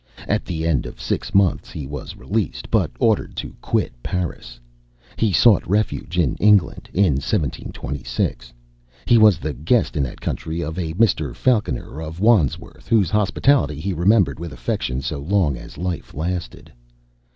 At the end of six months he was released, but ordered to quit Paris. He sought refuge in England, in 1726. He was the guest in that country of a Mr. Falconer, of Wandsworth, whose hospitality he remembered with affection so long as life lasted.